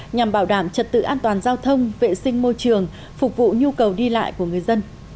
nhằm bảo đảm trật tự an toàn giao thông vệ sinh môi trường phục vụ nhu cầu đi lại của người dân